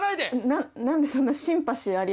な何でそんなシンパシーありありなの？